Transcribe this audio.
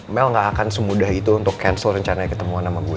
mel gak akan semudah itu untuk cancel rencana ketemuan nama gue